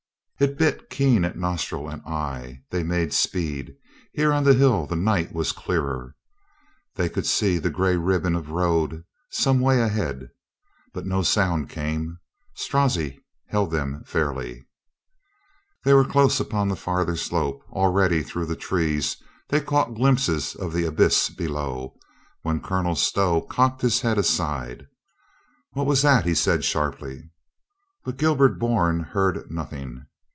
It bit keen at nostril and eye. They made speed. Here on the hill the night was clearer. They could see the gray ribbon of road some way ahead. But no sound came. Strozzi held them fairly. They were close upon the farther slope, already through the trees they caught glimpses of the abyss below, when Colonel Stow cocked his head aside. "What was that?" he said sharply. But Gilbert Bourne heard nothing.